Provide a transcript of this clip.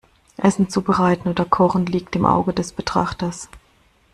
Essen zubereiten oder kochen liegt im Auge des Betrachters.